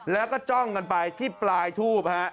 แล้วก็จ้องกันไปที่ปลายทูบฮะ